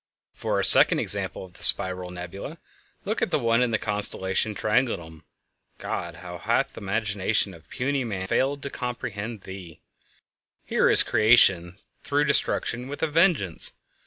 [Illustration: Spiral in Ursa Major] For a second example of the spiral nebulæ look at the one in the constellation Triangulum. God, how hath the imagination of puny man failed to comprehend Thee! Here is creation through destruction with a vengeance!